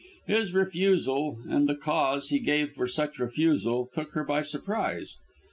His refusal, and the cause he gave for such refusal, took her by surprise.